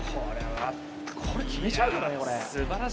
これ決めちゃうからね。